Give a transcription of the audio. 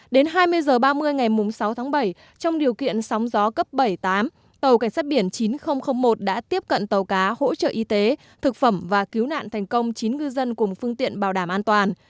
đến hai mươi h ba mươi ngày sáu tháng bảy trong điều kiện sóng gió cấp bảy tám tàu cảnh sát biển chín nghìn một đã tiếp cận tàu cá hỗ trợ y tế thực phẩm và cứu nạn thành công chín ngư dân cùng phương tiện bảo đảm an toàn